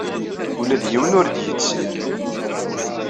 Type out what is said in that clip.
Ula d yiwen ur d-yettir.